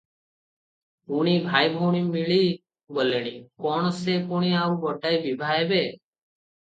ପୁଣି ଭାଇ ଭଉଣୀ ମିଳି ଗଲେଣି! କଣ, ସେ ପୁଣି ଆଉ ଗୋଟାଏ ବିଭା ହେବେ?